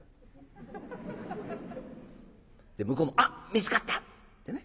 で向こうも「あっ見つかった」ってね。